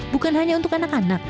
bukan hanya untuk anak anak